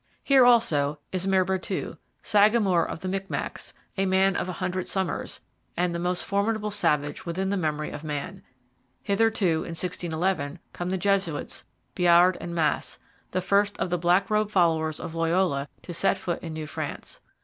Here, also, is Membertou, sagamore of the Micmacs, 'a man of a hundred summers' and 'the most formidable savage within the memory of man.' Hither, too, in 1611, came the Jesuits Biard and Masse, the first of the black robed followers of Loyola to set foot in New France.